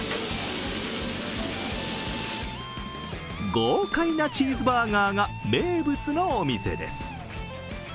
豪快なチーズバーガーが名物のお店です。